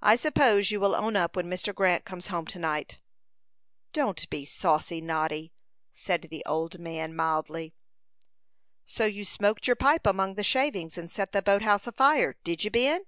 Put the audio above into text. I suppose you will own up when Mr. Grant comes home to night." "Don't be saucy, Noddy," said the old man, mildly. "So you smoked your pipe among the shavings, and set the boat house afire did you, Ben?